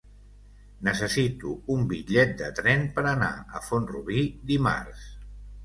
Necessito un bitllet de tren per anar a Font-rubí dimarts.